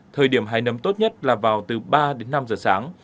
thời điểm hi nấm tốt nhất là vào từ ba đến năm giờ sáng